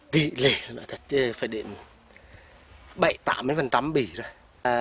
tỷ lệ là thật chứ phải để bảy tám bỉ rồi